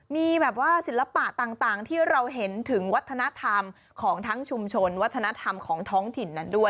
มีแบบว่าศิลปะต่างที่เราเห็นถึงวัฒนธรรมของทั้งชุมชนวัฒนธรรมของท้องถิ่นนั้นด้วย